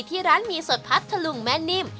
ที่ร้านหมี่สดพัทธลุงแม่นิ่ม